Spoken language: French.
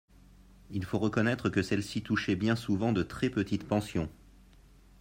Il faut reconnaître que celles-ci touchaient bien souvent de très petites pensions.